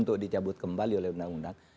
untuk dicabut kembali oleh undang undang